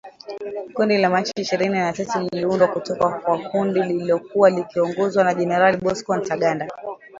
Kundi la Machi ishirini na tatu liliundwa kutoka kwa kundi lililokuwa likiongozwa na Jenerali Bosco Ntaganda la